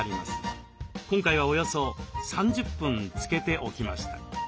今回はおよそ３０分つけておきました。